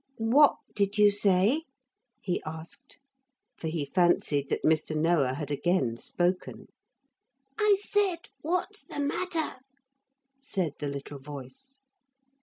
'What did you say?' he asked, for he fancied that Mr. Noah had again spoken. '~I said, what's the matter?~' said the little voice.